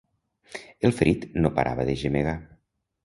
El ferit no parava de gemegar.